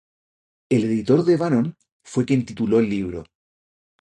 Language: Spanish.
El editor de Bannon fue quien tituló el libro.